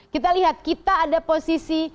kita lihat kita ada posisi